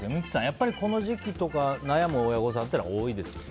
やっぱりこの時期とか悩む親御さんは多いですよね。